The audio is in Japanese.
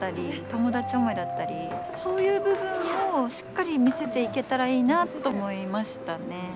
友達思いだったりそういう部分もしっかり見せていけたらいいなと思いましたね。